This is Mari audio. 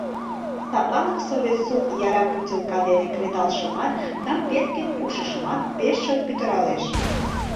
Садланак совет суд яра путилка дене кредалшымат, «кампетке пукшышымат» пеш чот пӱтыралеш.